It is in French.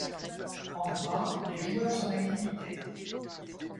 En gras, les joueurs en activité.